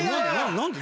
何で？